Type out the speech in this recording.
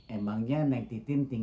emangnya nek titin tinggal di mana